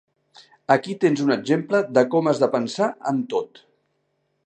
Aquí tens un exemple de com has de pensar en tot.